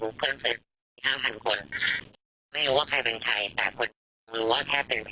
หูเพื่อนเซฟห้าพันคนไม่รู้ว่าใครเป็นใครแต่คนรู้ว่าแค่เป็นฟ้า